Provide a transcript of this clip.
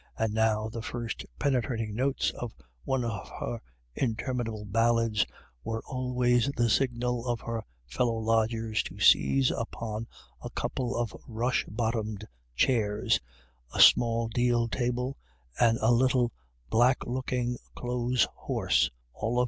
And now the first penetrating notes of one of her interminable ballads were always the signal for her fellow lodgers to seize upon a couple of rush bottomed chairs, a small deal table and a little black looking clothes horse, all of A WET DAY.